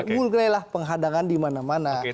mulailah penghadangan di mana mana